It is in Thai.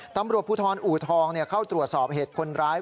ตำรวจภูทรอูทองเข้าตรวจสอบเหตุคนร้าย